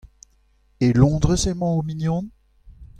E Londrez emañ o mignon ?